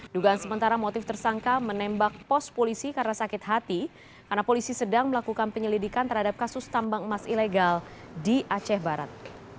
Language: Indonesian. dugaan sementara motif tersangka menembak pos polisi karena sakit hati karena polisi sedang melakukan penyelidikan terhadap kasus tambang emas ilegal di aceh barat